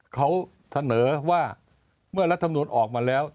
เขาเสนอว่าเมื่อรัฐมนุนออกมาแล้ว